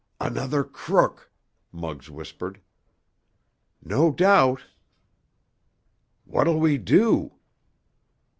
"Another crook," Muggs whispered. "No doubt." "What'll we do?"